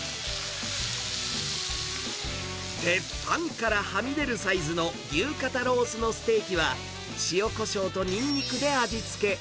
鉄板からはみ出るサイズの牛肩ロースのステーキは、塩こしょうとにんにくで味付け。